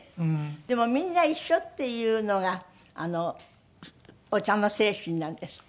でもみんな一緒っていうのがお茶の精神なんですって？